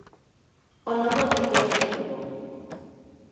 O novo auditorio de Lugo.